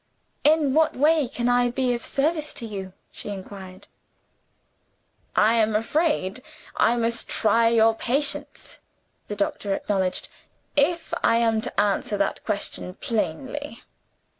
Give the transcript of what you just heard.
"In what way can I be of service to you?" she inquired. "I am afraid I must try your patience," the doctor acknowledged, "if I am to answer that question plainly."